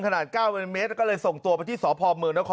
ขนาดเก้าเมตรก็เลยส่งตัวไปที่สพอมมือนแล้วคอ